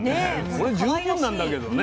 これで十分なんだけどね。